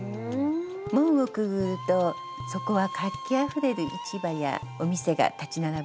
門をくぐるとそこは活気あふれる市場やお店が立ち並ぶんですね。